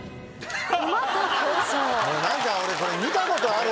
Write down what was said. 何か俺これ見たことある。